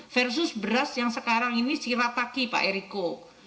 versus beras yang sekarang ini sirataki pak eriko